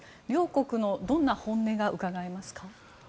両国のどんな本音がうかがえますか？